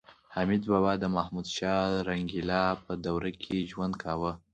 حمید بابا د محمدشاه رنګیلا په دوره کې ژوند کاوه